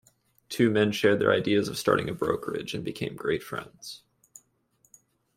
The two men shared their ideas of starting a brokerage, and became great friends.